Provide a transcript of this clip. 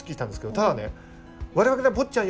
ただね我々が「坊っちゃん」